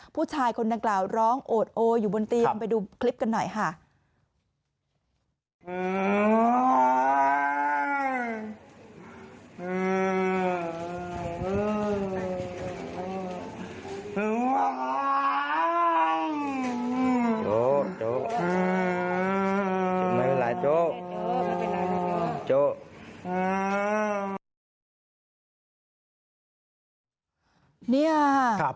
ผู้ชายคนดังกล่าวร้องโอดโออยู่บนเตียงไปดูคลิปกันหน่อยค่ะ